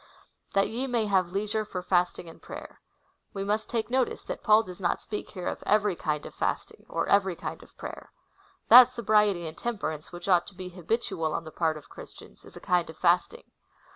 Tliat ye may have leisure for fasting and prayer. We must take notice, that Paul does not speak here of every kind oi fasting, or every kind oi prayer. That sobriety and temperance, which ought to be habitual on the part of Christians, is a kind oi fasting.